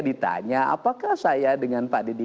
ditanya apakah saya dengan pak didi